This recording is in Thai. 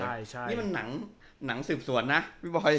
ใช่นี่มันหนังสืบสวนนะพี่บอย